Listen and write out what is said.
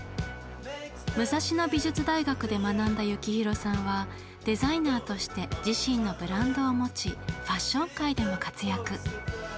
武蔵野美術大学で学んだ幸宏さんはデザイナーとして自身のブランドを持ちファッション界でも活躍。